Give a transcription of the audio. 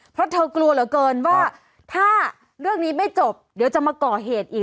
เพราะเธอกลัวเหลือเกินว่าถ้าเรื่องนี้ไม่จบเดี๋ยวจะมาก่อเหตุอีก